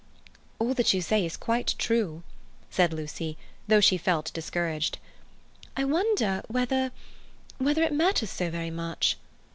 "All that you say is quite true," said Lucy, though she felt discouraged. "I wonder whether—whether it matters so very much."